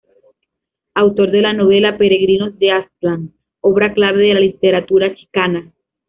Autor de la novela "Peregrinos de Aztlán", obra clave de la literatura chicana.